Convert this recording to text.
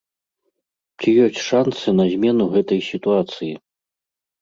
Ці ёсць шанцы на змену гэтай сітуацыі?